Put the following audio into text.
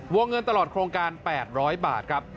วงเงินตลอดโครงการ๘๐๐บาทครับ